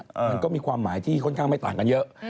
มันก็มีความหมายที่ค่อนข้างไม่ต่างกันเยอะ